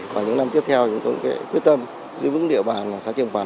và những năm tiếp theo chúng tôi cũng quyết tâm giữ vững địa bàn xã trường pần sẽ không có ma túy